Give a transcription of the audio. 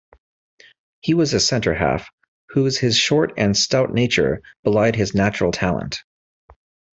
He was a centre-half whose his short and stout stature belied his natural talent.